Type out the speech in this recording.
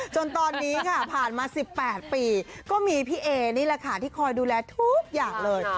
จนตอนนี้ค่ะผ่านมา๑๘ปีก็มีพี่เอนี่แหละค่ะที่คอยดูแลทุกอย่างเลย